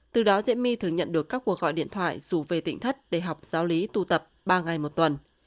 từ đó diễm my thường nhận được các cuộc gọi điện thoại rủ về tỉnh thất để học giáo lý tụ tập ba ngày một tuần